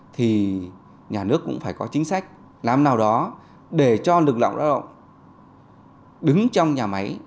thì nhà nước cũng phải có chính sách làm nào đó để cho lực lượng lao động đứng trong nhà máy